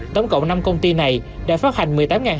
tổng cộng năm công ty này đã phát hành